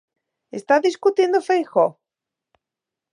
Está discutindo Feijóo?